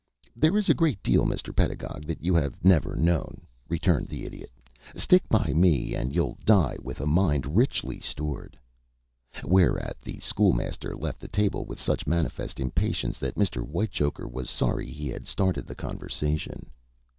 "There is a great deal, Mr. Pedagog, that you have never known," returned the Idiot. "Stick by me, and you'll die with a mind richly stored." Whereat the School Master left the table with such manifest impatience that Mr. Whitechoker was sorry he had started the conversation.